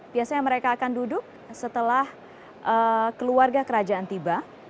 biasanya mereka akan duduk setelah keluarga kerajaan tiba